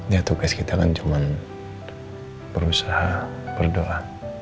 ya tuh guys kita kan cuma berusaha berdoa